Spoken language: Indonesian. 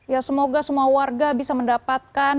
ya semoga semua warga bisa mendapatkan